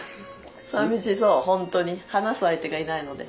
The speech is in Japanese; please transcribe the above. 寂しそうホントに話す相手がいないので。